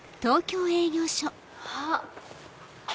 あっ！